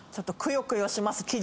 くよくよします。